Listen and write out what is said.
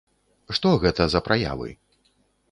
Што гэта за праявы?